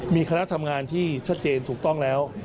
มีคณะทำงานที่ชัดเจนถูกต้องแล้ว